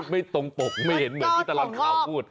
ไม่ตรงปกไม่เห็นเหมือนที่ตลอดข่าวพูด